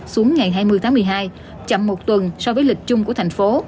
xuống ngày hai mươi tháng một mươi hai chậm một tuần so với lịch chung của thành phố